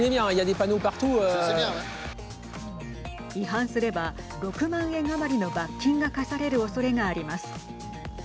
違反すれば６万円余りの罰金が科されるおそれがあります。